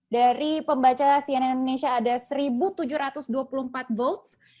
dari pembaca cnn indonesia ada seribu tujuh ratus dua puluh empat votes